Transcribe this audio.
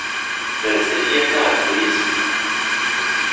Err-d tafyirt-a ɣer tneglizit.